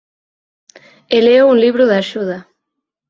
E leo un libro de axuda.